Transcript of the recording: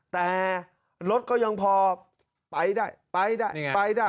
แต่รถก็ยังพอไปได้ไปได้ไปได้